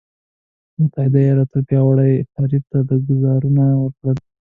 متحدو ایالتونو پیاوړي حریف ته ګوزارونه ورکړل.